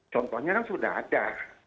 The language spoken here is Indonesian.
contohnya kan sudah ada